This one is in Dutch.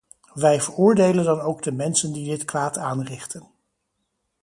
Wij veroordelen dan ook de mensen die dit kwaad aanrichten.